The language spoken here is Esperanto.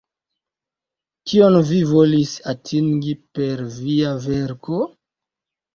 Kion vi volis atingi per via verko?